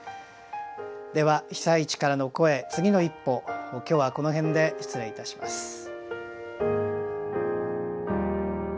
では「被災地からの声つぎの一歩」今日はこの辺で失礼いたします。